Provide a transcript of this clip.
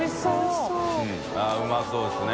◆舛うまそうですね。